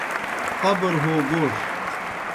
قبر ہو گوݜ